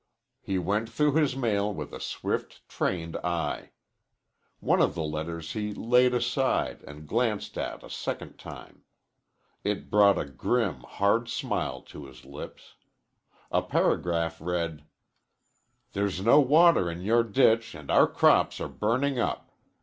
He went through his mail with a swift, trained eye. One of the letters he laid aside and glanced at a second time. It brought a grim, hard smile to his lips. A paragraph read: There's no water in your ditch and our crops are burning up.